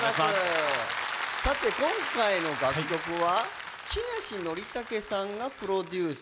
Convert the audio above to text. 今回の楽曲は木梨憲武さんがプロデュース。